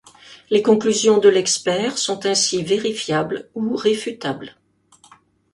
Les conclusions de l’expert sont ainsi vérifiables ou réfutables.